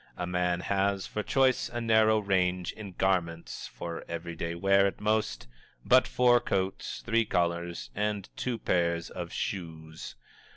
A man has, for choice, a narrow range in garments for everyday wear at most but four coats, three collars and two pairs of shoes.